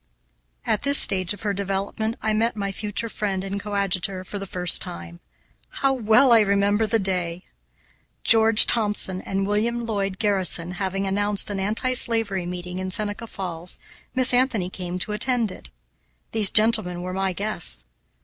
At this stage of her development I met my future friend and coadjutor for the first time. How well I remember the day! George Thompson and William Lloyd Garrison having announced an anti slavery meeting in Seneca Falls, Miss Anthony came to attend it. These gentlemen were my guests.